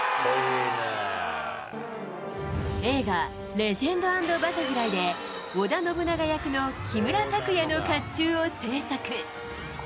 映画、レジェンド＆バタフライで織田信長役の木村拓哉のかっちゅうを制作。